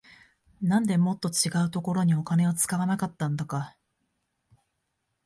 なんでもっと違うところにお金使わなかったんだか